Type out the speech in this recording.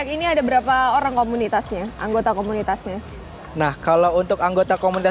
ini ada berapa orang komunitasnya anggota komunitasnya nah kalau untuk anggota komunitas